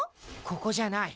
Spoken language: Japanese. ここじゃない。